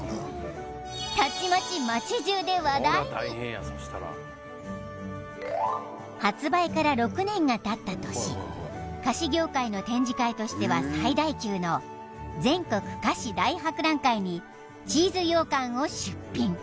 たちまち発売から６年がたった年菓子業界の展示会としては最大級の全国菓子大博覧会にチーズ羊羹を出品